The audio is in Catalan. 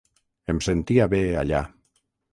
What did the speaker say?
Em sentia bé allà.